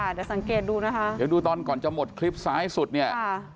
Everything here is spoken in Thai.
เดี๋ยวสังเกตดูนะคะเดี๋ยวดูตอนก่อนจะหมดคลิปซ้ายสุดเนี่ย